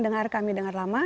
sudah kami dengar lama